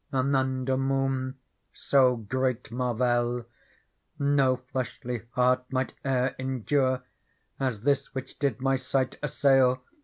Anunder moon so great mervail No fleshly heart might e*er endure As this which did my sight assail.